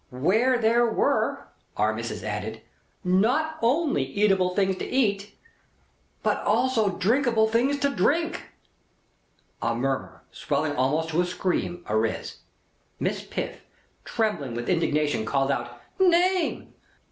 "Where there were," Our Missis added, "not only eatable things to eat, but also drinkable things to drink?" A murmur, swelling almost into a scream, ariz. Miss Piff, trembling with indignation, called out: "Name!"